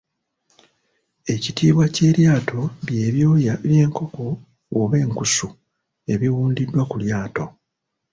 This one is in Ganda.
Ekitiibwa ky'eryato bye byoya by'enkoko oba enkusu ebiwundiddwa ku lyato.